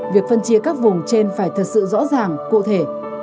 việc phân chia các vùng trên phải thật sự rõ ràng cụ thể